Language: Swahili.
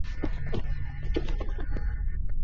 Watoto wakikosa vitamini A huugua surua